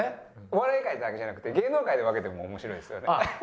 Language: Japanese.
お笑い界だけじゃなくて芸能界で分けても面白いですよね。